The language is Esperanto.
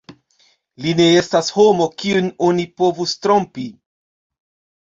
Li ne estas homo, kiun oni povus trompi.